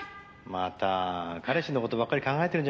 「また彼氏の事ばっかり考えてるんじゃないの？」